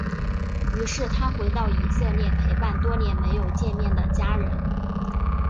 于是他回到以色列陪伴多年没有见面的家人。